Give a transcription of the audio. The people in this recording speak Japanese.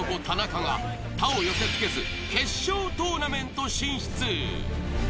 田中が他を寄せつけず決勝トーナメント進出。